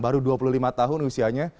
baru dua puluh lima tahun usianya